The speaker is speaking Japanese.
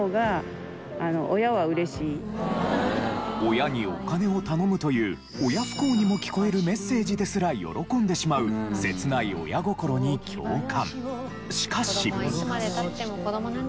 親にお金を頼むという親不孝にも聞こえるメッセージですら喜んでしまう切ない親心に共感。